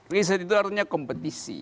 riset itu artinya kompetisi